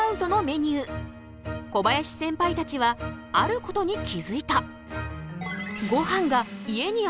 小林センパイたちはあることに気づいた。